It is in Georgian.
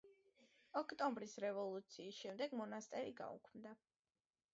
ოქტომბრის რევოლუციის შემდეგ მონასტერი გაუქმდა.